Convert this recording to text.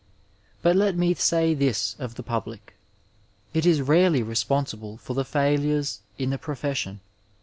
But let me say this of the public: it is rarely responsible for the failures in the profession.